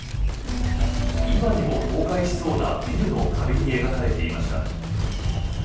今にも倒壊しそうなビルの壁に描かれていました。